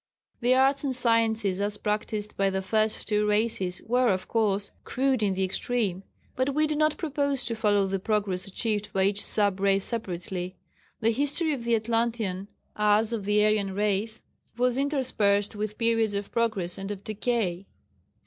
The arts and sciences, as practised by the first two races, were, of course, crude in the extreme, but we do not propose to follow the progress achieved by each sub race separately. The history of the Atlantean, as of the Aryan race, was interspersed with periods of progress and of decay.